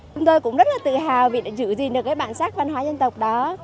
chúng tôi cũng rất là tự hào vì đã giữ gìn được cái bản sắc văn hóa dân tộc đó